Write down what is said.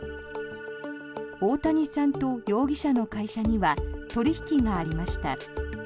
大谷さんと容疑者の会社には取引がありました。